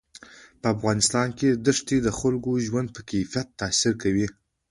په افغانستان کې دښتې د خلکو د ژوند په کیفیت تاثیر کوي.